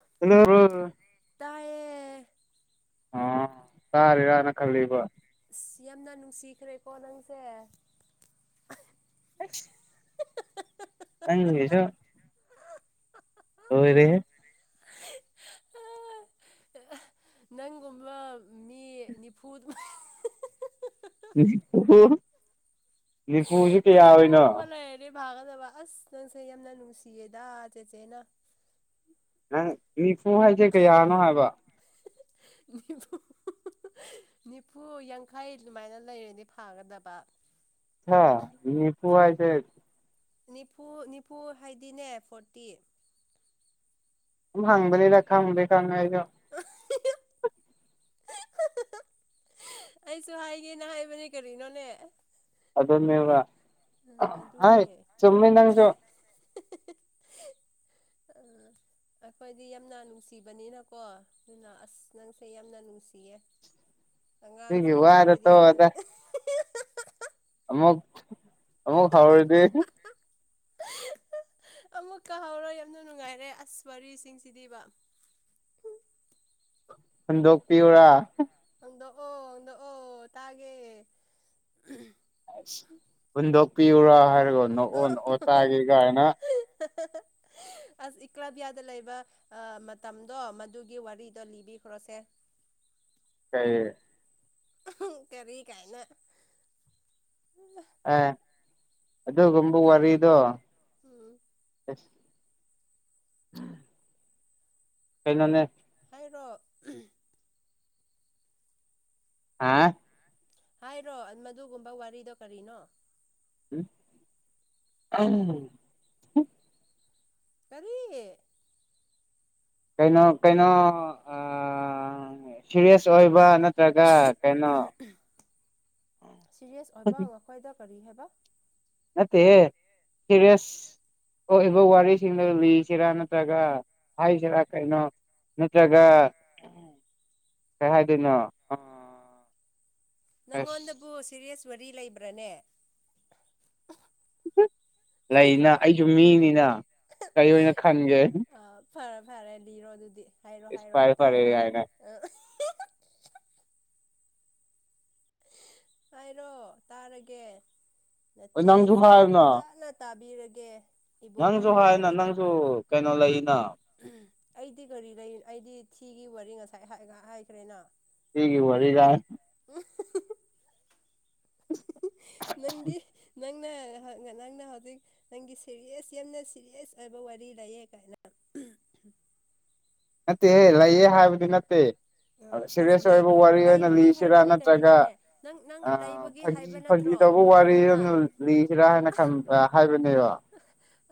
[unintelligible] ꯇꯥꯏꯌꯦ ꯑꯥ ꯆꯥꯔꯤꯔꯥꯅ ꯈꯜꯂꯤꯕ ꯑꯁ ꯌꯥꯝꯅ ꯅꯨꯡꯁꯤꯈ꯭ꯔꯦꯀꯣ ꯅꯪꯁꯦ [unintelligible] ꯅꯪꯒꯤꯁꯨ ꯂꯣꯏꯔꯦꯍꯦ ꯅꯤꯐꯨꯠ ꯅꯤꯐꯨ ꯅꯤꯐꯨꯗꯤ ꯀꯌꯥ ꯑꯣꯏꯅꯣ ꯇꯂꯦꯄꯒꯗꯕ ꯑꯁ ꯅꯪꯁꯦ ꯌꯥꯝꯅ ꯅꯨꯡꯁꯤꯌꯦꯅ ꯆꯦꯆꯦꯅ ꯅꯪ ꯅꯤꯐꯨ ꯍꯥꯏꯁꯦ ꯀꯌꯥꯅꯣ ꯍꯥꯏꯕ ꯅꯤꯐꯨ ꯅꯤꯐꯨ ꯌꯥꯡꯈꯩ ꯑꯗꯨꯃꯥꯏꯅ ꯂꯩꯔꯗꯤ ꯐꯥꯒꯗꯕ ꯍꯥ ꯅꯤꯐꯨ ꯍꯥꯏꯁꯦ ꯅꯤꯐꯨ ꯅꯤꯐꯨ ꯍꯥꯏꯗꯤꯅꯦ ꯐꯣꯔꯇꯤ ꯁꯨꯝ ꯍꯪꯕꯅꯤꯗ ꯈꯡꯕꯗꯤ ꯈꯪꯉꯤ ꯑꯩꯁꯨ ꯑꯩꯁꯨ ꯍꯥꯏꯒꯦꯅ ꯍꯥꯏꯕꯅꯦ ꯀꯔꯤꯅꯣꯅꯦ ꯑꯗꯨꯅꯦꯕ ꯎꯝ ꯑꯥꯏ ꯑꯗꯨꯅꯦ ꯆꯨꯝꯃꯤ ꯅꯪꯁꯨ [unintelligible] ꯑꯩꯈꯣꯏꯗꯤ ꯌꯥꯝꯅ ꯅꯨꯡꯁꯤꯕꯅꯤ ꯅꯀꯣ ꯑꯗꯨꯅ ꯑꯁ ꯅꯪꯁꯦ ꯌꯥꯝꯅ ꯅꯨꯡꯁꯤꯌꯦ ꯁꯤꯒꯤ ꯑꯉꯥꯡꯁꯤꯡꯕꯨ ꯋꯥꯗꯣ ꯑꯩꯈꯣꯏꯗꯤ ꯌꯥꯝꯅ ꯇꯣꯛꯑꯣꯗ ꯑꯃꯨꯛ ꯑꯃꯨꯛ ꯍꯥꯎꯔꯤꯗꯤ ꯑꯃꯨꯛꯀ ꯍꯧꯔꯣꯏ ꯌꯥꯝꯅ ꯅꯨꯡꯉꯥꯏꯔꯦ ꯑꯁ ꯋꯥꯔꯤꯁꯤꯡꯁꯤꯗꯤꯕ ꯍꯨꯟꯗꯣꯛ ꯄꯤꯎꯔꯥ ꯅꯣꯛꯑꯣ ꯅꯣꯛꯑꯣ ꯇꯥꯒꯦ ꯑꯁ ꯍꯨꯟꯗꯣꯛꯄꯤꯎꯔꯥ ꯍꯥꯏꯔꯒ ꯅꯣꯛꯑꯣ ꯅꯣꯛꯑꯣ ꯇꯥꯒꯦ ꯀꯥꯏꯅ [unintelligible] ꯑꯁ ꯏꯀ꯭ꯂꯥꯕꯤꯌꯥꯗ ꯂꯩꯕ ꯃꯇꯝꯗꯣ ꯃꯗꯨꯒꯤ ꯋꯥꯔꯤꯗꯣ ꯂꯤꯕꯤꯈ꯭ꯔꯣꯁꯦ [inaudible] ꯀꯩ ꯑꯍꯝ ꯀꯔꯤ ꯀꯥꯏꯅ ꯑꯦ ꯑꯗꯨꯒꯨꯝꯕ ꯋꯥꯔꯤꯗꯣ ꯎꯝ [inaudible] [inaudible] ꯀꯩꯅꯣꯅꯦ ꯔꯣ ꯍꯥ ꯍꯥꯏꯔꯣ ꯃꯗꯨꯒꯨꯝꯕ ꯋꯥꯔꯤꯗꯣ ꯀꯔꯤꯅꯣ [unintelligible] ꯀꯔꯤ ꯀꯩꯅꯣ ꯀꯩꯅꯣ ꯁꯤꯔꯤꯔꯦꯁ ꯑꯣꯏꯕ ꯀꯩꯅꯣ ꯁꯤꯔꯤꯌꯁ ꯑꯣꯏꯕ ꯅꯈꯣꯏꯗ ꯀꯔꯤ ꯍꯥꯏꯕ ꯅꯠꯇꯦꯍꯦ ꯁꯦꯔꯤꯌꯁ ꯊꯣꯛꯏꯕ ꯋꯥꯔꯤꯁꯤꯡꯗꯣ ꯂꯤꯁꯤꯔꯥ ꯅꯠꯇ꯭ꯔꯒ ꯍꯥꯏꯁꯤꯔꯥ ꯀꯩꯅꯣ ꯅꯠꯇ꯭ꯔꯒ ꯀꯩ ꯍꯥꯏꯗꯣꯏꯅꯣ ꯑꯥ ꯅꯪꯉꯣꯟꯗꯕꯨ ꯁꯤꯔꯤꯌꯁ ꯋꯥꯔꯤ ꯂꯩꯕ꯭ꯔꯥꯅꯦ ꯂꯩꯅ ꯑꯩꯁꯨ ꯃꯤꯅꯤꯅ ꯀꯔꯤ ꯑꯣꯏꯅ ꯈꯟꯒꯦ ꯑ ꯐꯔꯦ ꯐꯔꯦ ꯂꯤꯔꯣ ꯑꯗꯨꯗꯤ ꯍꯥꯏꯔꯣ ꯏꯁ ꯍꯥꯏꯔꯣ ꯐꯔꯦ ꯐꯔꯦ ꯇꯥꯒꯦ ꯀꯥꯏꯅ ꯍꯥꯏꯔꯣ ꯇꯥꯔꯒꯦ ꯍꯣꯏ ꯅꯪꯁꯨ ꯅꯆꯦꯁꯦ ꯍꯥꯏꯌꯨꯅ ꯐꯖꯅ ꯇꯥꯕꯤꯔꯒꯦ ꯅꯪꯁꯨ ꯏꯕꯨꯡꯉꯣꯒꯤ ꯍꯥꯏꯌꯨꯅ ꯋꯥꯔꯤꯗꯣ ꯅꯪꯁꯨ ꯀꯩꯅꯣ ꯂꯩꯅ ꯑꯩꯗꯤ ꯀꯔꯤ ꯂꯩ ꯑꯩꯗꯤ ꯊꯤꯒꯤ ꯋꯥꯔꯤ ꯉꯁꯥꯏ ꯍꯥꯏꯒ ꯍꯥꯏꯈ꯭ꯔꯦꯅ ꯊꯤꯒꯤ ꯋꯥꯔꯤꯒ [unintelligible] ꯅꯪꯒꯤ ꯅꯪꯅ ꯅꯪꯅ ꯍꯧꯖꯤꯛ ꯅꯪꯒꯤ ꯁꯦꯔꯤꯌꯁ ꯌꯥꯝꯅ ꯁꯦꯔꯤꯌꯁ ꯑꯣꯏꯕ ꯋꯥꯔꯤ ꯂꯩꯌꯦ ꯀꯥꯏꯅ ꯎꯝ ꯅꯠꯇꯦꯍꯦ ꯂꯩꯌꯦ ꯍꯥꯏꯕꯗꯤ ꯅꯠꯇꯦ ꯑ ꯑꯁ ꯁꯦꯔꯤꯌꯁ ꯂꯩ ꯑꯣꯏꯕ ꯋꯥꯔꯤ ꯑꯣꯏꯅ ꯂꯩꯕꯒꯤ ꯂꯤꯁꯤꯔꯥ ꯍꯥꯏꯕꯅꯦ ꯅꯠꯇ꯭ꯔꯒ ꯀꯔꯤꯅꯣꯅꯦ ꯅꯪ ꯅꯪ ꯂꯩꯕꯒꯤ ꯍꯥꯏꯕ ꯅꯠꯇ꯭ꯔꯣ ꯀꯗꯧꯕ ꯋꯥꯔꯤ ꯅꯪꯅ ꯑꯃꯅ ꯂꯤꯁꯤꯔꯥ ꯍꯥꯏꯅ ꯈꯟ ꯍꯥꯏꯕꯅꯦꯕ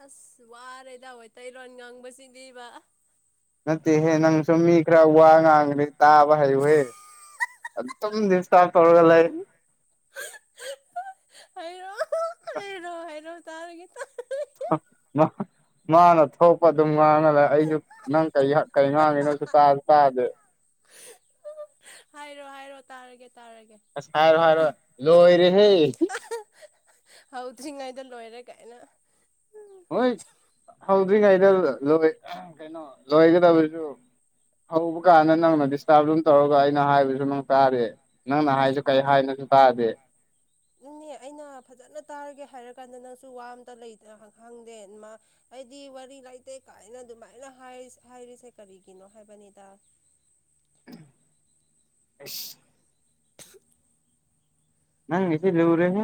ꯑꯁ ꯋꯥꯔꯦꯗ ꯃꯩꯇꯩꯔꯣꯟ ꯉꯥꯡꯕꯁꯤꯗꯤꯕ ꯅꯠꯇꯦꯍꯦ ꯅꯪꯁꯨ ꯃꯤ ꯈꯔ ꯋꯥ ꯉꯥꯡꯈ꯭ꯔꯦ ꯇꯥꯕ ꯍꯥꯏꯌꯨꯍꯦ [unintelligible] UNINTELLIGIBLE INAUDIBLE UNINTELLIGIBLE INAUDIBLE ꯃꯥꯅ ꯊꯣꯛꯄ ꯑꯗꯨꯝ ꯉꯥꯡꯉꯂꯩ ꯑꯩꯁꯨ ꯅꯪ ꯀꯔꯤ ꯍꯥꯢ ꯀꯩ ꯉꯥꯡꯉꯤꯅꯣꯖꯨ ꯇꯥꯖꯨꯇꯥꯗꯦ ꯍꯥꯏꯔꯣꯍꯥꯏꯔꯣ ꯇꯥꯔꯒꯦ ꯇꯥꯔꯒꯦ ꯑꯥꯁ ꯍꯥꯏꯔꯣ ꯍꯥꯢꯔꯣ ꯂꯣꯏꯔꯦ ꯍꯦ ꯍꯧꯗ꯭ꯔꯤꯉꯩꯗꯂꯣꯏꯔꯦ ꯀꯥꯏꯅ ꯍꯣꯏꯠ ꯍꯧꯗ꯭ꯔꯤꯉꯩꯗ ꯂꯣꯏ ꯑꯪ ꯀꯩꯅꯣ ꯂꯣꯏꯒꯗꯕꯖꯨ ꯍꯧꯕꯀꯥꯟꯗ ꯅꯪꯅ ꯗꯤꯁꯇꯞ ꯗꯨꯝ ꯇꯧꯔ ꯄꯥ ꯑꯩꯅ ꯍꯥꯏꯕꯖꯨ ꯅꯪ ꯇꯥꯗꯦ ꯅꯪꯅ ꯍꯥꯏꯖꯨ ꯀꯩ ꯍꯥꯏꯅꯣꯖꯨ ꯇꯥꯗꯦ ꯗꯨꯅꯦ ꯑꯩꯅ ꯐꯖꯅ ꯇꯥꯔꯒꯦ ꯍꯥꯏꯔꯛ ꯀꯥꯟꯗ ꯅꯪꯖꯨ ꯋꯥ ꯑꯝꯇ ꯂꯩꯇꯔꯕ ꯈꯪꯗꯦ ꯃꯥ ꯑꯩꯗꯤ ꯋꯥꯔꯤ ꯂꯩꯇꯦ ꯀꯥꯏꯅ ꯑꯗꯨꯃꯥꯏꯅ ꯍꯥꯏ ꯢꯁ ꯍꯥꯏꯔꯤꯁꯦ ꯀꯔꯤꯒꯤꯅꯣ ꯍꯥꯏꯕꯅꯤꯗ ꯑꯩꯁ ꯅꯪꯒꯤꯖꯤ ꯂꯨꯔꯦꯍꯦ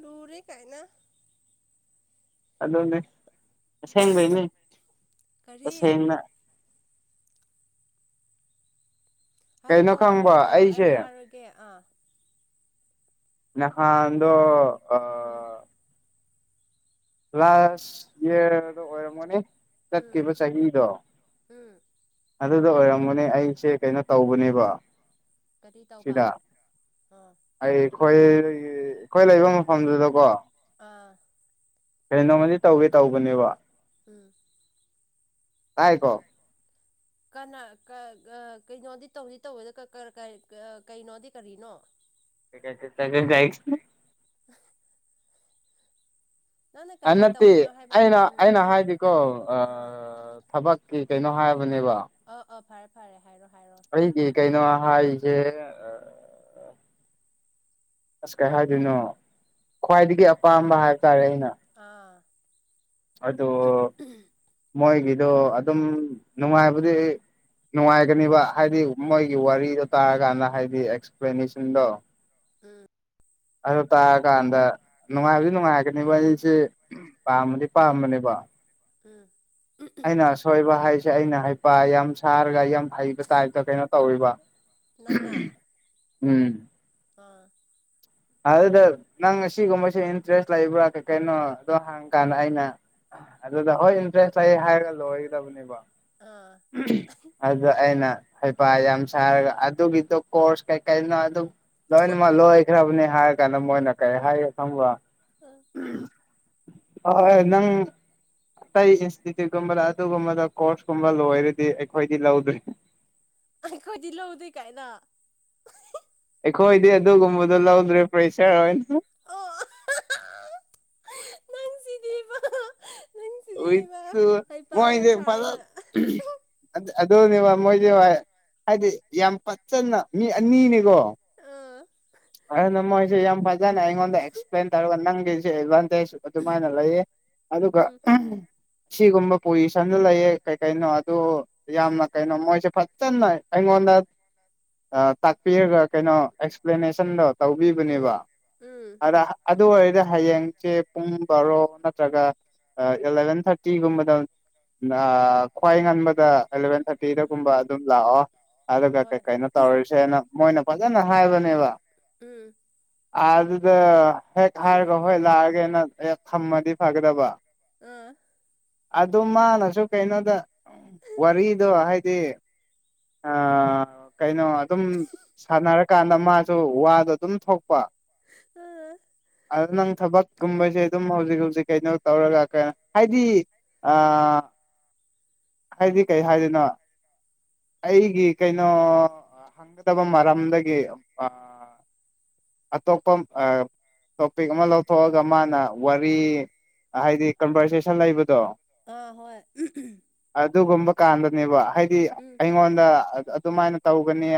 ꯂꯨꯔꯦꯀꯥꯏꯅ ꯑꯗꯨꯅꯤ ꯑꯁꯦꯡꯕꯩꯅꯤ ꯀꯔꯤ ꯇꯁꯦꯡꯅ ꯀꯩꯅꯣ ꯍꯥꯏꯔꯣ ꯈꯪꯕ ꯍꯥꯏꯔꯣ ꯑꯩ ꯑꯩꯁꯦ ꯇꯥꯔꯒꯦ ꯑꯥ ꯅꯥꯍꯥꯟꯗꯣ ꯎꯝ ꯑꯥꯑꯥ ꯂꯥꯠꯁ ꯏꯌ꯭ꯔꯗ ꯑꯣꯏꯔꯝꯒꯅꯤ ꯎꯝ ꯆꯠꯈꯤꯕ ꯆꯍꯤꯗꯣ ꯎꯝ ꯑꯗꯨꯗ ꯑꯣꯏꯔꯝꯒꯅꯤ ꯑꯩꯁꯦ ꯀꯩꯅꯣ ꯇꯧꯕꯅꯤꯕ ꯀꯔꯤꯇꯧꯕ ꯑꯥꯑꯥ ꯈꯣꯏꯒꯤ ꯈꯣꯏ ꯂꯩꯕ ꯃꯐꯝꯗꯨꯗꯀꯣ ꯑꯥ ꯀꯩꯅꯣꯃꯗꯤ ꯇꯧꯒꯦ- ꯇꯧꯕꯅꯦꯕ ꯑꯥꯑꯥ ꯇꯥꯏꯌꯦꯀꯣ INAUDIBLE ꯀꯟꯅꯥ ꯀꯥ ꯒꯥ ꯀꯩꯅꯣꯗꯤ ꯇꯧꯗꯤ ꯇꯧꯋꯦꯗꯣ ꯀꯥ ꯀꯔꯤ ꯀꯥꯏ ꯑꯥ ꯀꯩꯅꯣꯗꯤ ꯀꯔꯤꯅꯣ UNINTELLIGIBLE ꯅꯪꯅ ꯀꯔꯤ ꯍꯥꯅꯠꯇꯦ ꯇꯧꯕꯤꯅꯣ ꯍꯥꯏꯕ ꯑꯩꯅ ꯎꯝ ꯑꯩꯅ ꯍꯥꯏꯗꯤꯀꯣ ꯑꯥ ꯑꯥꯑꯥ ꯊꯕꯛꯀꯤ ꯀꯩꯅꯣ ꯍꯥꯏꯝ ꯑꯣ ꯑꯣ ꯐꯔꯦ ꯐꯔꯦ ꯍꯥꯏꯔꯣ ꯍꯥꯏꯔꯣ ꯑꯩꯒꯤ ꯀꯩꯅꯣ ꯍꯥꯏꯖꯦ ꯑꯥ ꯑꯥ ꯑꯥꯁ ꯀꯩ ꯍꯥꯏꯗꯣꯏꯅꯣ ꯈ꯭ꯋꯥꯏꯗꯒꯤ ꯑꯄꯥꯝꯕ ꯍꯥꯏꯕ ꯇꯥꯔꯦ ꯑꯩꯅ ꯑꯥ ꯑꯥꯗꯣ ꯃꯣꯏꯒꯤ ꯗꯣ ꯑꯗꯨꯝ ꯅꯨꯡꯉꯥꯏꯕꯗꯤ-ꯅꯨꯡꯉꯥꯏꯒꯅꯤꯕ ꯍꯥꯏꯗꯤ ꯎꯝ ꯃꯣꯏꯒꯤ ꯋꯥꯔꯤꯗꯣ ꯇꯥꯔ ꯀꯥꯟꯗꯍꯥꯏꯗꯤ ꯑꯦꯛꯁꯄ꯭ꯂꯦꯅꯦꯁꯟꯗꯣ INAUDIBLE ꯕꯗꯣ ꯇꯥꯔꯀꯥꯟꯗ ꯅꯨꯡꯉꯥꯏꯕꯗꯤ- ꯅꯨꯡꯉꯥꯏꯔꯛꯀꯅꯤꯕ ꯨꯑꯩꯖꯤ ꯄꯥꯝꯃꯗꯤ ꯄꯥꯝꯕꯅꯤꯕ INAUDIBLE ꯑꯩꯅ ꯑꯁꯣꯏꯕ ꯍꯥꯏꯁꯦ ꯑꯩꯅ ꯍꯩꯄꯥ ꯌꯥꯝ ꯁꯥꯔꯒ ꯌꯥꯝ ꯍꯩꯕ ꯇꯥꯏꯞꯇ ꯀꯩꯅꯣ ꯇꯧꯔꯤꯕ ꯎꯝ ꯑꯥꯑꯥ ꯑꯗꯨꯗ ꯅꯪ ꯑꯁꯤꯒꯨꯝꯕꯁꯦ ꯏꯟꯇꯔꯦꯁ ꯂꯩꯕ꯭ꯔ ꯀꯩ ꯀꯩꯅꯣ ꯑꯗꯣ ꯍꯪꯀꯥꯟꯗ ꯑꯩꯅ ꯑꯗꯨꯗ ꯍꯣꯏ ꯏꯟꯇ꯭ꯔꯦꯁ ꯂꯩ ꯍꯥꯏꯔꯒ ꯂꯣꯏꯒꯗꯕꯅꯦꯕ ꯑꯥ [unintelligible] ꯑꯗ ꯑꯩꯅ ꯍꯩꯄꯥ ꯌꯥꯝ ꯁꯥꯔꯒ ꯑꯗꯨꯒꯤꯗꯣ ꯀꯣꯔꯁ ꯀꯩꯀꯩꯅꯣ ꯑꯗꯨꯛ ꯂꯣꯏꯅꯃꯛ ꯂꯣꯏꯈ꯭ꯔꯞꯅꯦ ꯍꯥꯏꯔ ꯀꯥꯟꯗ ꯃꯣꯏꯅ ꯀꯩ ꯍꯥꯏꯒꯦ ꯈꯪꯕ꯭ꯔꫭ ꯑ [unintelligible] ꯅꯪ ꯑꯇꯩ ꯏꯟꯁꯇꯤꯇ꯭ꯌꯨꯠꯀꯨꯝꯕꯗ ꯑꯗꯨꯒꯨꯝꯕꯗ ꯀꯣꯔꯁꯀꯨꯝꯕ ꯂꯣꯏꯔꯗꯤ ꯑꯩꯈꯣꯏꯗꯤ ꯂꯧꯗ꯭ꯔꯦ ꯑꯩꯈꯣꯏꯗꯤ ꯂꯧꯗꯦ ꯀꯥꯏꯅ [unintelligible] ꯑꯈꯣꯏꯗꯤ ꯑꯗꯨꯒꯨꯝꯕꯗꯣ ꯂꯧꯗ꯭ꯔꯦ ꯐ꯭ꯔꯦꯁꯔ ꯑꯣꯏꯅ ꯑꯣ ꯅꯪꯁꯤꯗꯤꯕ ꯅꯪꯁꯤꯗꯤꯕ [unintelligible] ꯍꯩꯄꯥ ꯌꯥꯝ ꯃꯣꯏꯗꯤ ꯐꯖ ꯁꯥꯔꯒ [unintelligible] ꯑꯗꯨꯅꯦꯕ ꯃꯣꯏꯗꯤ ꯍꯥꯏꯗꯤ ꯌꯥꯝ ꯐꯖꯅ ꯃꯤ ꯑꯅꯤꯅꯤꯀꯣ ꯑꯥ [unintelligible] ꯃꫭꯏꯖꯦ ꯌꯥꯝ ꯐꯖꯅ ꯑꯩꯉꯣꯟꯗ ꯑꯦꯛꯁꯄ꯭ꯂꯦꯟ ꯇꯧꯔꯒ ꯅꯪꯒꯤꯁꯦ ꯑꯦꯠꯕꯥꯟ ꯇꯦꯁ ꯑꯗꯨꯝꯃꯥꯏꯅ ꯂꯩꯌꯦ ꯑꯗꯨꯒ ꯎꯝ [unintelligible] ꯁꯤꯒꯨꯝꯕ ꯄꯣꯖꯤꯁꯟꯗ ꯂꯩꯌꯦ ꯀꯩ ꯀꯩꯅꯣ ꯑꯗꯨ ꯌꯥꯝꯅ ꯀꯩꯅꯣ ꯃꯣꯏꯁꯦ ꯐꯖꯅ ꯑꯩꯉꯣꯟꯗ ꯑ ꯇꯥꯛꯄꯤꯔꯒ ꯀꯩꯅꯣ ꯑꯦꯛꯁ ꯄ꯭ꯂꯦꯅꯦꯁꯟꯗꯣ ꯎꯝ ꯇꯧꯕꯤꯕꯅꯦꯕ ꯎꯝ ꯑꯗ ꯑꯗꯨ ꯑꯣꯏꯔꯗꯤ ꯍꯌꯦꯡꯆꯦ ꯄꯨꯡ ꯕꯥꯔꯣ ꯅꯠꯇ꯭ꯔꯒ ꯑ ꯑꯦꯂꯚꯦꯟ ꯊꯥꯔꯇꯤꯒꯨꯝꯕꯗ ꯑ ꯈ꯭ꯋꯥꯏ ꯉꯟꯕꯗ ꯑꯦꯂꯚꯦꯟ ꯎꯝ ꯊꯥꯔꯇꯤꯗꯒꯨꯝꯕ ꯑꯗꯨꯝ ꯂꯥꯛꯑꯣ ꯑꯗꯨꯒ ꯀꯩ ꯍꯣꯏ ꯀꯩꯅꯣ ꯇꯧꯔꯁꯦꯅ ꯃꯣꯏꯅ ꯐꯖꯅ ꯍꯥꯏꯕꯅꯦ ꯎꯝ ꯑꯥ ꯑꯗꯨꯗ ꯍꯦꯛ ꯍꯥꯏꯔꯒ ꯍꯣꯏ ꯂꯥꯛꯑꯒꯦꯅ ꯍꯦꯛ ꯊꯝꯃꯗꯤ ꯐꯒꯗꯕ ꯑ ꯑꯗꯨꯝ ꯃꯥꯅꯁꯨ ꯀꯩꯅꯣꯗ ꯋꯥꯔꯤꯗꯣ ꯍꯥꯏꯗꯤ [inaudible] ꯑ ꯀꯩꯅꯣ ꯑꯗꯨꯝ ꯁꯥꯟꯅꯔꯀꯥꯟꯗ ꯃꯥꯁꯨ ꯋꯥꯗꯣ ꯑꯗꯨꯝ ꯊꯣꯛꯄ ꯑꯗꯨ ꯅꯪ ꯊꯕꯛ ꯒꯨꯝꯕꯁꯦ ꯑꯗꯨꯝ ꯍꯧꯖꯤꯛ ꯍꯧꯖꯤꯛ ꯀꯩꯅꯣ ꯇꯧꯔꯒ ꯀꯩꯅꯣ ꯍꯥꯏꯗꯤ ꯑ ꯍꯥꯏꯗꯤ ꯀꯩ ꯍꯥꯏꯗꯣꯢꯅꯣ ꯑꯩꯒꯤ ꯀꯩ ꯅꯣ ꯍꯪꯒꯗꯕ ꯃꯔꯝꯗꯒꯤ ꯑ ꯑꯇꯣꯞꯄ ꯑ ꯇꯣꯄꯤꯛ ꯑꯃ ꯂꯧꯊꯣꯛꯑꯒ ꯃꯥꯅ ꯋꯥꯔꯤ ꯍꯥꯏꯗꯤ ꯀꯟꯚꯔꯁꯦꯁꯟ ꯂꯩꯕꯗꯣ ꯑꯥ ꯑꯥ ꯍꯣꯏ ꯎꯝ ꯑꯗꯨꯒꯨꯝꯕ ꯀꯥꯟꯗꯅꯦꯕ ꯍꯥꯏꯗꯤ ꯑꯩꯉꯣꯟꯗ ꯑꯗꯨꯝꯃꯥꯏꯅ ꯇꯧꯒꯅꯤ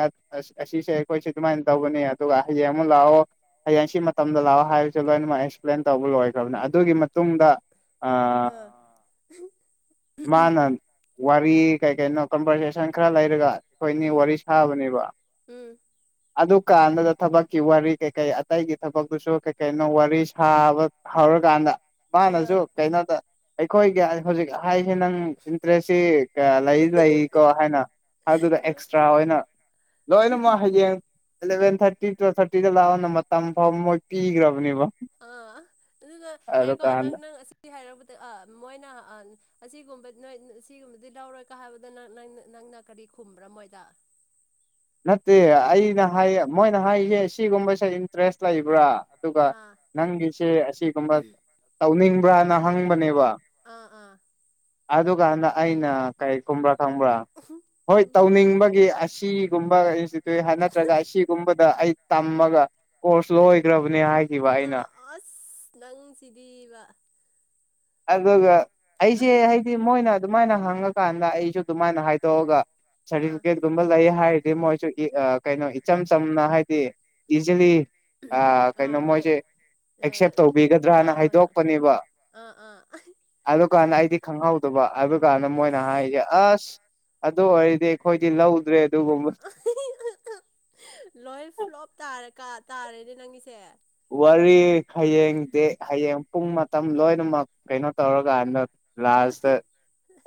ꯑꯁꯤꯁꯦ ꯑꯩꯈꯣꯏꯁꯦ ꯑꯗꯨꯃꯥꯏꯅ ꯇꯧꯒꯅꯤ ꯑꯗꯨꯒ ꯍꯌꯦꯡ ꯑꯃꯨꯛ ꯂꯥꯛꯑꯣ ꯂꯥꯛꯑꯣ ꯍꯌꯦꯡ ꯁꯤ ꯃꯇꯝꯗ ꯂꯥꯛꯑꯣ ꯍꯥꯏꯕꯁꯦ ꯂꯣꯏꯅꯃꯛ ꯑꯦꯛꯁꯄ꯭ꯂꯦꯟ ꯇꯧꯕ ꯂꯣꯏꯈ꯭ꯔꯕꯅꯦ ꯑꯗꯨꯒꯤ ꯃꯇꯨꯡꯗ ꯑ ꯑꯥ ꯃꯥꯅ ꯋꯥꯔꯤ ꯀꯩ ꯀꯩꯅꯣ ꯀꯝꯕꯔꯁꯦꯁꯟ ꯈꯔ ꯂꯩꯔꯒ ꯑꯩꯈꯣꯏꯅꯤ ꯎꯝ ꯋꯥꯔꯤ ꯁꯥꯕꯅꯦꯕ ꯎꯝ ꯑꯗꯨ ꯀꯥꯟꯗꯨꯗ ꯊꯕꯛꯀꯤ ꯋꯥꯔꯤ ꯀꯩꯀꯩ ꯑꯇꯩꯒꯤ ꯊꯕꯛꯇꯨꯁꯨ ꯀꯩ ꯀꯩꯅꯣ ꯋꯥꯔꯤ ꯁꯥꯕ ꯍꯧꯔ ꯀꯥꯟꯗ ꯃꯥꯟꯅꯁꯨ ꯑꯥ ꯀꯩꯅꯣꯗ ꯑꯩꯈꯣꯏꯒꯤ ꯍꯧꯖꯤꯛ ꯍꯥꯏ [unintelligible] ꯅꯪ ꯏꯟꯇꯔꯦꯁꯁꯤ ꯀꯥ ꯂꯩ ꯂꯩ ꯀꯣ ꯍꯥꯏꯅ ꯑꯗꯨꯗ ꯑꯦꯛꯁꯇ꯭ꯔꯥ ꯑꯣꯏꯅ ꯂꯣꯏꯅꯃꯛ ꯍꯌꯦꯡ ꯑꯦꯂꯚꯦꯟ ꯊꯥꯔꯇꯤ ꯇꯨ ꯇꯨꯋꯦꯞ ꯊꯥꯔꯇꯤꯗ ꯂꯥꯛꯑꯣꯅ ꯃꯇꯝ ꯐꯥꯎ ꯃꯣꯏ ꯄꯤꯈ꯭ꯔꯕꯅꯦꯕ ꯑꯗꯨꯗꯣ ꯉꯥꯢꯈꯣ ꯅꯪ ꯑꯗꯨꯀꯥꯟꯗ ꯅꯪ ꯑ ꯁꯤ ꯍꯥꯏꯔꯕꯗ ꯑ ꯃꯣꯏꯅ ꯑ ꯑꯁꯤꯒꯨꯝꯕ ꯅꯣꯢ ꯁꯤꯒꯨꯝꯕꯗꯤ ꯂꯧꯔꯣꯏꯀꯥ ꯍꯥꯏꯕꯗ ꯅ ꯅꯪ ꯅꯪꯅ ꯀꯔꯤ ꯈꯨꯝꯕ꯭ꯔ‌ ꯃꯣꯏꯗ ꯅꯠꯇꯦ ꯑꯩꯅ ꯍꯥꯏ ꯃꯣꯏꯅ ꯍꯥꯏꯍꯦ ꯁꯤꯒꯨꯝꯕꯁꯦ ꯏꯟꯇ꯭ꯔꯦꯁ ꯂꯩꯕ꯭ꯔꯥ ꯑꯗꯨꯒ ꯑꯥ ꯅꯪꯒꯤꯁꯦ ꯑꯁꯤꯒꯨꯝꯕ ꯇꯧꯅꯤꯡꯕ꯭ꯔꯅ ꯍꯪꯕꯅꯦꯕ ꯑꯥ ꯑꯥ ꯑꯗꯨꯀꯥꯟꯗ ꯑꯩꯅ ꯀꯩ ꯈꯨꯝꯕ꯭ꯔꯥ ꯈꯪꯕ꯭ꯔꯥ ꯍꯣꯏ ꯎꯝ ꯇꯧꯅꯤꯡꯕꯒꯤ ꯑꯁꯤ ꯒꯨꯝꯕ ꯏꯟꯁꯇꯤꯇꯨ ꯅꯠꯇ꯭ꯔ ꯑꯁꯤꯒꯨꯝꯕꯗ ꯑꯩ ꯇꯝꯃꯒ ꯀꯣꯔꯁ ꯂꯣꯢꯒ꯭ꯔꯕꯅꯦ ꯍꯥꯢ ꯑ ꯑꯁ ꯅꯪ ꯁꯤꯗꯤꯕ ꯑꯗꯨꯒ ꯑꯩꯁꯦ ꯍꯥꯏꯗꯤ ꯃꯣꯏꯅ ꯑꯗꯨꯃꯥꯏꯅ ꯍꯪ ꯉ ꯀꯥꯟꯗ ꯑꯩꯁꯨ ꯑꯗꯨꯃꯥꯏꯅ ꯍꯥꯏꯗꯣꯛꯑꯒ ꯑꯥ ꯁꯥꯔꯇꯤꯐꯤꯀꯦꯠꯀꯨꯝꯕ ꯂꯩ ꯍꯥꯏ ꯃꯣꯏꯁꯨ ꯀꯩꯅꯣ ꯏꯆꯝ ꯆꯝꯅ ꯍꯥꯏꯗꯤ ꯏꯖꯤꯂꯤ ꯑ ꯑꯥ ꯀꯩꯅꯣ ꯍꯣꯏ ꯃꯣꯏꯁꯦ ꯑ ꯑꯦꯛꯁꯦꯞ ꯇꯧꯕꯤꯒꯗ꯭ꯔꯅ ꯑꯥ ꯍꯣꯏ ꯍꯣꯏ ꯍꯥꯏꯗꯣꯛꯄꯅꯦꯕ ꯑꯥ ꯑꯥ ꯑꯗꯨꯀꯥꯟꯗ ꯑꯩꯗꯤ ꯈꯪꯍꯧꯗꯕ ꯑꯗꯨꯀꯥꯟꯗ ꯃꯣꯏꯅ ꯑꯁ ꯍꯥꯏꯔꯤꯁꯦ ꯑꯁ ꯑꯗꯨ ꯑꯣꯏꯔꯗꯤ ꯑꯩꯈꯣꯏꯗꯤ ꯂꯧꯗ꯭ꯔꯦ ꯑꯗꯨꯒꯨꯝꯕ ꯑꯍꯤꯍꯤꯍꯛꯍꯛ ꯂꯣꯏ ꯐ꯭ꯂꯣꯞ ꯇꯥꯔꯀꯥ ꯇꯥꯔꯦꯅꯦ ꯅꯪꯒꯤꯁꯦ ꯋꯥꯔꯤ ꯍꯌꯦꯡ ꯗꯦ ꯍꯌꯦꯡ ꯄꯨꯡ ꯃꯇꯝ ꯂꯣꯏꯅꯃꯛ ꯀꯩꯅꯣ ꯇꯧꯔꯀꯥꯟꯗ ꯂꯥꯁꯇ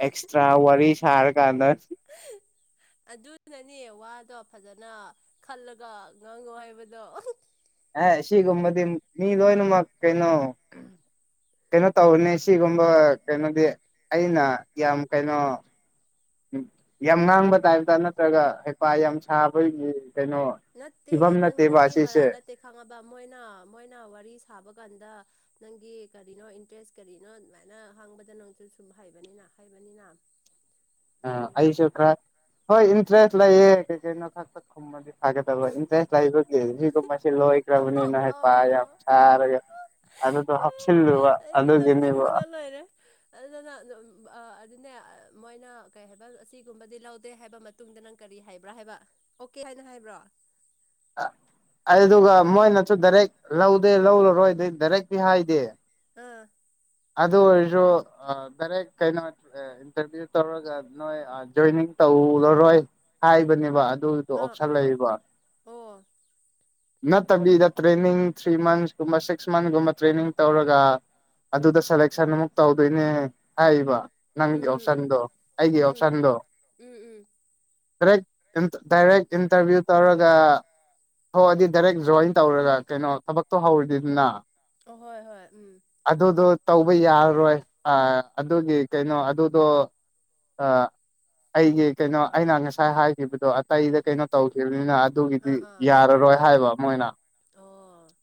ꯑꯦꯛꯁꯇ꯭ꯔꯥ ꯋꯥꯔꯤ ꯁꯥꯔ ꯀꯥꯟꯗ ꯑꯗꯨꯅꯅꯦ ꯋꯥꯗꯣ ꯐꯖꯅ ꯈꯜꯂꯒ ꯉꯥꯡꯉꯣ ꯍꯥꯏꯕꯗꯣ ꯑꯦ ꯁꯤꯒꯨꯝꯕꯗꯤ ꯃꯤ ꯂꯣꯏꯅꯃꯛ ꯀꯩꯅꯣ ꯀꯩꯅꯣ ꯇꯧꯕꯅꯤ ꯁꯤꯒꯨꯝꯕ ꯀꯩꯅꯣꯗꯤ ꯑꯩꯅ ꯌꯥꯝ ꯀꯩꯅꯣ ꯌꯥꯝ ꯉꯥꯡꯕ ꯇꯥꯏꯞꯇ ꯅꯠꯇ꯭ꯔꯒ ꯍꯩꯄꯥ ꯌꯥꯝ ꯁꯥꯕꯒꯤ ꯀꯩꯅꯣ ꯅꯠꯇꯦ ꯐꯤꯕꯝ ꯅꯪ ꯅꯠꯇꯦꯕ ꯅꯪꯒꯤ ꯃꯔꯥꯜ ꯑꯁꯤꯁꯦ ꯅꯠꯇꯦ ꯈꯪꯉꯕ ꯃꯣꯏꯅ ꯃꯣꯏꯅ ꯋꯥꯔꯤ ꯁꯥꯕ ꯀꯥꯟꯗ ꯅꯪꯒꯤ ꯀꯔꯤꯅꯣ ꯏꯟꯇꯔꯦꯁ ꯀꯔꯤꯅꯣ ꯑꯗꯨꯃꯥꯏꯅ ꯍꯪꯕꯗ ꯅꯪꯁꯨ ꯁꯨꯝ ꯍꯥꯏꯕꯅꯤꯅ ꯍꯥꯏꯕꯅꯤꯅ [inaudible] ꯑ ꯑꯩꯁꯨ ꯈꯔ ꯍꯣꯏ ꯏꯟꯇ꯭ꯔꯦꯁ ꯂꯩꯌꯦ ꯀꯩ ꯀꯩ ꯅꯣ ꯊꯥꯛꯇ ꯈꯨꯝꯃꯗꯤ ꯐꯒꯗꯕ ꯏꯟꯇꯔꯦꯁ ꯂꯩꯕꯒꯤ ꯁꯤꯒꯨꯝꯕꯁꯤ ꯂꯣꯏꯒ꯭ꯔꯕꯅꯤꯅ ꯍꯥꯏꯄꯥ ꯌꯥꯝ ꯁꯥꯔꯒ ꯑꯗꯨꯗꯣ ꯍꯥꯞꯁꯤꯜꯂꯨꯕ ꯑꯗꯨꯒꯤꯅꯦꯕ ꯑꯗꯨꯅꯪ ꯑ ꯑꯗꯨꯅꯦ ꯃꯣꯏꯅ ꯀꯩ ꯍꯥꯏꯕ ꯑꯁꯤꯒꯨꯝꯕꯗꯤ ꯂꯧꯗꯦ ꯍꯥꯏꯕ ꯃꯇꯨꯡꯗ ꯅꯪ ꯀꯔꯤ ꯗꯤ ꯍꯥꯏꯕ꯭ꯔꯥ ꯍꯥꯏꯕ ꯑꯣꯀꯦ ꯍꯥꯏꯅ ꯍꯥꯏꯕ꯭ꯔꯣ ꯑ ꯑꯗꯨꯒ ꯃꯣꯏꯅꯁꯨ ꯗꯥꯏꯔꯦꯛ ꯂꯧꯗꯦ ꯂꯧꯔꯔꯣꯏ ꯗꯥꯏꯔꯦꯛ ꯇꯤ ꯍꯥꯏꯗꯦ ꯑꯥ ꯑꯗꯨ ꯑꯣꯏꯔꯁꯨ ꯑꯥ ꯗꯥꯏꯔꯦꯛ ꯀꯩꯅꯣ ꯑꯥ ꯏꯟꯇꯔꯚꯤꯌꯨ ꯇꯧꯔꯒ ꯅꯣꯏ ꯑꯥ ꯖꯣꯏꯅꯤꯡ ꯇꯧ ꯇꯧꯔꯔꯣꯏ ꯍꯥꯏꯕꯅꯦꯕ ꯑꯗꯨꯗꯣ ꯑꯥ ꯑꯣꯞꯁꯟ ꯂꯩꯕ ꯑꯣ ꯅꯠꯇꯕꯤꯗ ꯇ꯭ꯔꯦꯅꯤꯡ ꯊ꯭ꯔꯤ ꯃꯟꯁꯀꯨꯝꯕ ꯁꯤꯛꯁ ꯃꯟꯁꯀꯨꯝꯕ ꯇ꯭ꯔꯦꯅꯤꯡ ꯇꯧꯔꯒ ꯑꯗꯨꯗ ꯁꯦꯂꯦꯛꯁꯟ ꯑꯃꯨꯛ ꯇꯧꯗꯣꯏꯅꯦ ꯍꯥꯏꯔꯤꯕ ꯅꯪꯒꯤ ꯎꯝ ꯎꯝ ꯎꯝ ꯑꯣꯞꯁꯟꯗꯣ ꯑꯩꯒꯤ ꯎꯝ ꯑꯣꯞꯁꯟꯗꯣ ꯎꯝ ꯎꯝ ꯗ꯭ꯔꯦꯛ ꯗꯥꯏꯔꯦꯛ ꯏꯟꯇꯔꯚꯤꯌꯨ ꯇꯧꯔꯒ ꯍꯣꯏ ꯑꯗꯨ ꯗꯥꯏꯔꯦꯛ ꯖꯣꯏꯟ ꯇꯧꯔꯒ ꯀꯩꯅꯣ ꯊꯕꯛꯇꯣ ꯍꯧꯔꯗꯤꯗꯅ ꯑꯣ ꯍꯣꯏ ꯍꯣꯏ ꯎꯝ ꯑ ꯑꯗꯨꯒꯤ ꯀꯩꯅꯣ ꯑꯗꯨꯗꯣ ꯑ ꯑꯩꯒꯤ ꯀꯩꯅꯣ ꯑꯩꯅ ꯉꯁꯥꯏ ꯍꯥꯏꯈꯤꯕꯗꯣ ꯀꯩꯗ ꯀꯩꯅꯣ ꯇꯧꯈꯤꯕꯅꯤꯅ ꯑꯗꯨꯒꯤꯗꯤ ꯑꯥ ꯑꯥ ꯌꯥꯔꯔꯣꯏ ꯍꯥꯏꯕ ꯃꯣꯏꯅ ꯑꯣ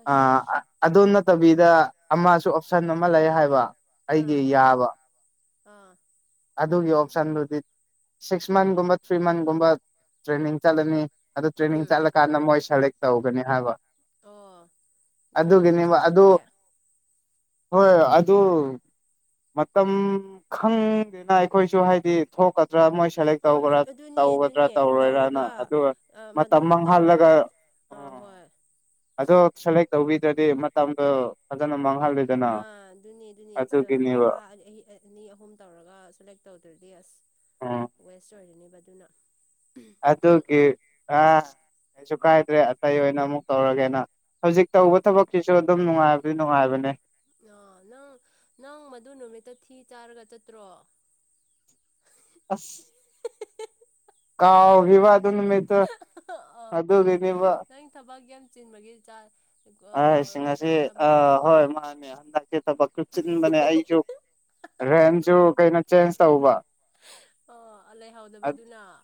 ꯑꯁ ꯑꯥ ꯑꯗꯨ ꯅꯠꯇꯕꯤꯗ ꯑꯃꯁꯨ ꯑꯣꯞꯁꯟ ꯑꯃ ꯂꯩ ꯍꯥꯏꯕ ꯑꯩꯒꯤ ꯑꯥ ꯌꯥꯕ ꯑꯥ ꯑꯗꯨꯒꯤ ꯑꯣꯞꯁꯟꯗꯨꯗꯤ ꯁꯤꯛꯁ ꯃꯟꯒꯨꯝꯕ ꯊ꯭ꯔꯤ ꯃꯟꯒꯨꯝꯕ ꯇ꯭ꯔꯦꯅꯤꯡ ꯆꯠꯂꯅꯤ ꯑꯗꯨ ꯇ꯭ꯔꯦꯅꯤꯡ ꯎꯝ ꯆꯠꯂꯀꯥꯟꯗ ꯃꯣꯏ ꯁꯦꯂꯦꯛ ꯇꯧꯒꯅꯤ ꯍꯥꯏꯕ ꯑꯣ ꯑꯗꯨꯅ ꯅꯪꯁꯨ ꯑꯗꯨꯒꯤꯅꯦꯕ ꯑꯗꯨ ꯆꯠꯇ꯭ꯔꯦ ꯑꯣ ꯍꯣꯏ ꯑꯗꯨ ꯃꯇꯝ ꯈꯪꯗꯦꯗ ꯈꯣꯏꯁꯨ ꯍꯥꯏꯗꯤ ꯊꯣꯛꯀꯗ꯭ꯔ ꯃꯣꯏ ꯁꯦꯂꯦꯛ ꯍꯣꯏ ꯇꯧꯕ꯭ꯔ ꯑꯗꯨꯅꯦ ꯇꯧꯒꯗ꯭ꯔ ꯑꯗꯨꯅꯦ ꯇꯧꯔꯣꯏꯔꯅ ꯇꯧꯔꯒ ꯑꯗꯨꯒ ꯑ, ꯃ ꯇꯝ ꯃꯗꯨꯗ ꯇꯧꯔꯒ ꯃꯥꯡꯍꯜꯂꯒ ꯑꯥ ꯎꯝ ꯍꯣꯏ ꯑꯗꯣ ꯁꯦꯂꯦꯛ ꯇꯧꯕꯤꯗ꯭ꯔꯗꯤ ꯃꯇꯝꯗꯣ ꯐꯖꯅ ꯃꯥꯡ ꯑꯥ ꯑꯗꯨꯅꯦ ꯑꯗꯨꯅꯦ ꯊꯥ [unintelligible] ꯑꯅꯤ ꯑꯍꯨꯝ ꯇꯧꯔꯒ ꯁꯦꯂꯦꯛ ꯇꯧꯗ꯭ꯔꯗꯤ ꯑꯁ ꯎꯝ ꯋꯦꯁ ꯑꯣꯏꯔꯅꯦꯕ ꯑꯗꯨꯅ ꯑꯗꯨꯒꯤ ꯑꯥ ꯀꯩꯁꯨ ꯀꯥꯏꯗ꯭ꯔꯦ ꯑꯇꯩ ꯑꯣꯏꯅ ꯑꯃꯨꯛ ꯇꯧꯔꯒꯦꯅ ꯍꯧꯖꯤꯛ ꯇꯧꯕ ꯎꯝ ꯊꯕꯛꯁꯤꯁꯨ ꯑꯗꯨꯝ ꯅꯨꯡꯉꯥꯏꯕꯗꯤ ꯅꯨꯡꯉꯥꯏꯕꯅꯦ ꯑ ꯅꯪ ꯅꯪ ꯃꯗꯨ ꯅꯨꯃꯤꯠꯇ ꯊꯤ ꯆꯥꯔꯒ ꯆꯠꯇ꯭ꯔꯣ [inaudible] ꯑꯁ ꯀꯥꯎꯈꯤꯕ ꯑꯗꯨ ꯅꯨꯃꯤꯠꯇꯣ ꯑꯥ ꯑꯗꯨꯒꯤꯅꯤꯕ ꯅꯪ ꯊꯕꯛ ꯌꯥꯝ ꯆꯤꯟꯕꯒꯤ ꯆꯥ ꯑꯁ ꯀꯥꯎꯔꯒ ꯉꯁꯤ ꯆꯠꯄ ꯑ ꯃꯥꯜꯂꯦꯀꯣ ꯍꯣꯏ ꯃꯥ ꯅꯦ ꯍꯟꯗꯛꯇꯤ ꯊꯕꯛꯁꯨ ꯆꯤꯟꯕꯅꯦ ꯑꯩꯖꯨ ꯔꯦꯟꯁꯨ ꯀꯩꯅꯣ ꯆꯦꯟꯁ ꯇꯧꯕ [unintelligible] ꯑ ꯂꯩꯍꯧꯗꯕꯗꯨꯅ